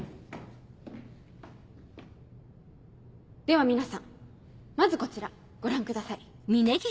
では皆さんまずこちらご覧ください。